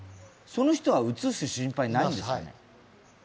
その人はうつす心配ないんですか？